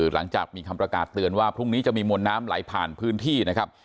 หลังจากมีคำประกาศเตือนว่าพรุ่งนี้จะมีมวลน้ำไหลผ่านพื้นที่นะครับ